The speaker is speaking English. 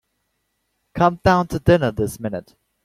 Come down to dinner this minute.